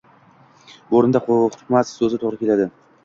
Bu oʻrinda qoʻrqmas soʻzi toʻgʻri keladi.